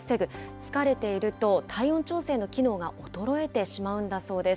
疲れていると体温調整の機能が衰えてしまうんだそうです。